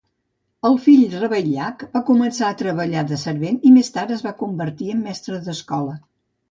El fill Ravaillac va començar a treballar de servent i més tard es va convertir en mestre d'escola.